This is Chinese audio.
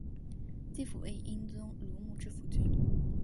季福为英宗乳母之夫君。